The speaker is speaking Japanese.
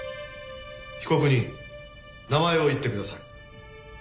被告人名前を言ってください。